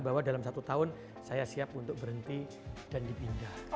bahwa dalam satu tahun saya siap untuk berhenti dan dipindah